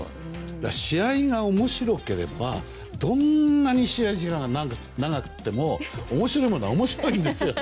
試合が面白ければどんなに試合時間が長くても面白いものは面白いんですよ。